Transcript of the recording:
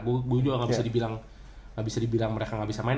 gue juga gak bisa dibilang mereka gak bisa main